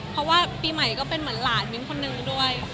เพราะว่าปีใหม่ก็เป็นเหมือนหลานมิ้นคนนึงด้วย